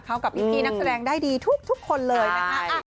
เข้ากับอีพีนักแสดงได้ดีทุกคนเลย